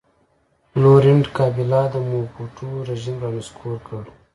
لورینټ کابیلا د موبوټو رژیم را نسکور کړ.